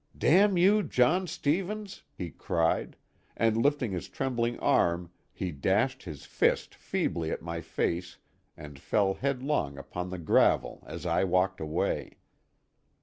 "Damn you, John Stevens!" he cried, and lifting his trembling arm he dashed his fist feebly at my face and fell headlong upon the gravel as I walked away.